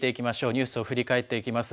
ニュースを振り返っていきます。